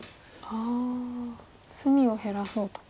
ああ隅を減らそうと。